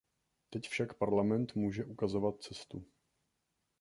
Teď však Parlament může ukazovat cestu.